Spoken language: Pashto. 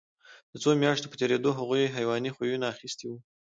د څو میاشتو په تېرېدو هغوی حیواني خویونه اخیستي وو